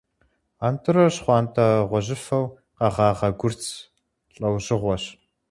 Антӏырэр щхъуантӏэ-гъуэжьыфэу къэгъагъэ гъурц лӏэужьыгъуэщ.